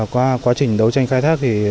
qua quá trình đấu tranh khai thác